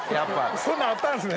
そんなんあったんですね。